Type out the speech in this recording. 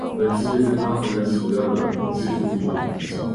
本区域是当时人主要的居住区域。